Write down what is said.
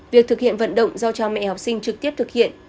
việc thực hiện vận động do cha mẹ học sinh trực tiếp thực hiện